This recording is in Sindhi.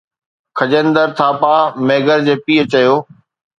Khajendra Thapa Maggar جي پيء چيو